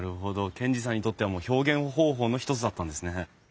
賢治さんにとってはもう表現方法の一つだったんですね。